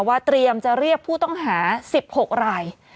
เตรียมจะเรียกผู้ต้องหา๑๖ราย